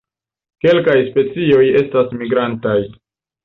Kelkaj specioj estas migrantaj.